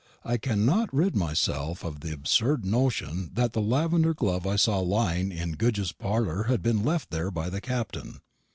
I cannot rid myself of the absurd notion that the lavender glove I saw lying in Goodge's parlour had been left there by the Captain.